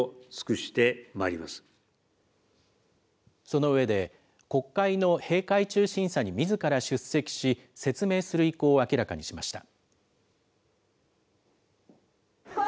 その上で、国会の閉会中審査にみずから出席し、説明する意向を明らかにしました。